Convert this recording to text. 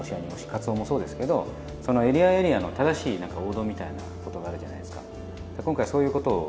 カツオもそうですけどそのエリアエリアの正しい王道みたいなことがあるじゃないですか。